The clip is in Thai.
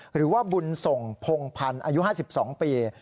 หรือว่าบุญส่งพงพันธ์อายุ๕๒ปี